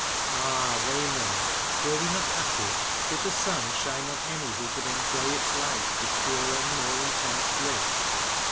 *' Ah, Raymond, were we not happy? Did the sun shine on any, who could enjoy its light with purer and more intense bliss